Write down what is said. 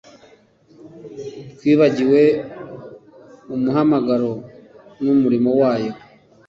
twibagiwe umuhamagaro n’umurimo wayo